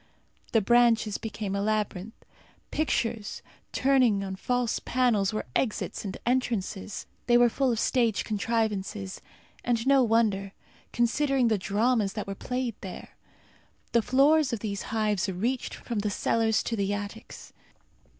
The branches became a labyrinth. Pictures turning on false panels were exits and entrances. They were full of stage contrivances, and no wonder considering the dramas that were played there! The floors of these hives reached from the cellars to the attics.